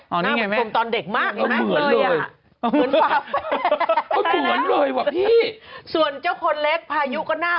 หน้าเหมือนชมพูตอนเด็กมาก